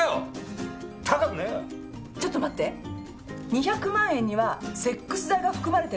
２００万円にはセックス代が含まれてるとでも？